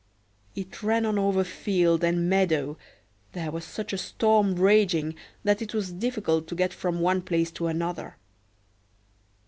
It ran on over field and meadow; there was such a storm raging that it was difficult to get from one place to another.